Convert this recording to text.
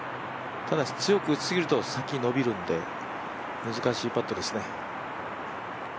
ただし、強く打ちすぎると先に伸びるので難しいパットですね。